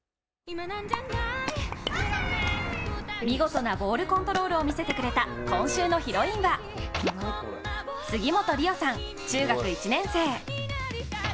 見事なボールコントロールを見せたくれた今週のヒロインは杉本りおさん、中学１年生。